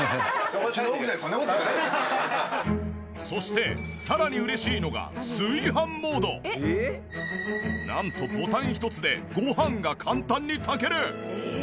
そしてさらに嬉しいのがなんとボタン一つでご飯が簡単に炊ける！